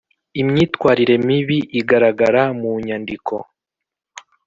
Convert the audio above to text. Imyitwarire Mibi Igaragara Mu Nyandiko